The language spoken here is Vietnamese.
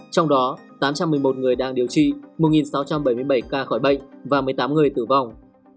trong đó tám trăm một mươi một người đang điều trị một sáu trăm bảy mươi bảy ca khỏi bệnh và một mươi tám người tử vong